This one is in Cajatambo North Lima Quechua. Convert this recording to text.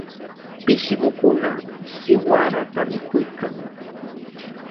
Pishqukuna siwarata mikuykan.